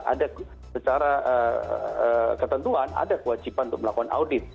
ada secara ketentuan ada kewajiban untuk melakukan audit